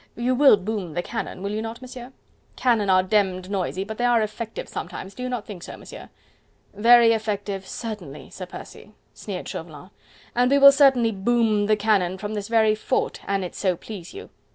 You WILL boom the cannon, will you not, Monsieur?... Cannon are demmed noisy, but they are effective sometimes, do you not think so, Monsieur?" "Very effective certainly, Sir Percy," sneered Chauvelin, "and we will certainly boom the cannon from this very fort, an it so please you...."